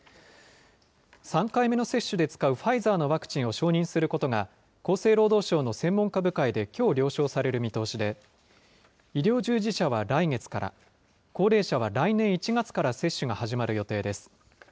３回目の接種で使うファイザーのワクチンを承認することが、厚生労働省の専門家部会できょう了承される見通しで、医療従事者は来月から、高齢者は来年１月から接種が始まる予定です。